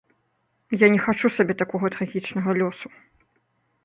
Я не хачу сабе такога трагічнага лёсу.